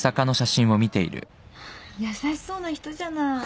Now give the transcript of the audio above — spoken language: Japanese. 優しそうな人じゃない。